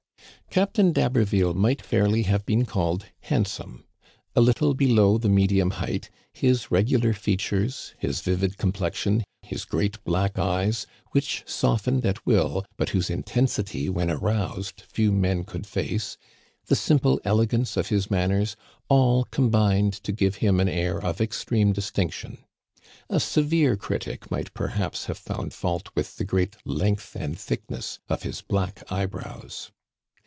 Captain d'Haberville might fairly have been called handsome. A little below the medium height, his regu lar features, his vivid complexion, his great black eyes which softened at will but whose intensity when aroused few men could face, the simple elegance of his manners, all combined to give him an air of extreme distinction. A severe critic might perhaps have found fault with the great length and thickness of his black eyebrows.